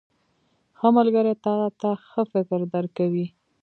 • ښه ملګری تا ته ښه فکر درکوي.